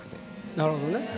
なるほどね。